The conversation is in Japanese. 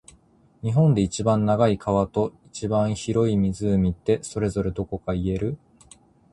日本で一番長い川と、一番広い湖って、それぞれどこか言える？